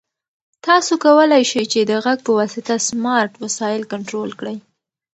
تاسو کولای شئ چې د غږ په واسطه سمارټ وسایل کنټرول کړئ.